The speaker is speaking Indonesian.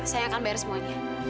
saya akan bayar semuanya